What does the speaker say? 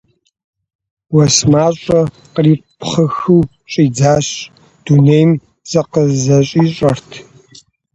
Уэс мащӀэ кърипхъыхыу щӀидзащ; дунейм зыкъызэщӀищӀэрт.